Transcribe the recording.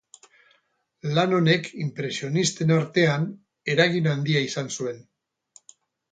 Lan honek inpresionisten artean eragin handia izan zuen.